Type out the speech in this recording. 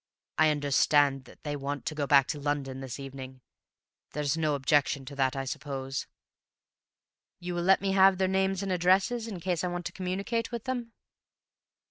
"I understand that they want to go back to London this evening. There's no objection to that, I suppose?" "You will let me have their names and addresses in case I want to communicate with them?"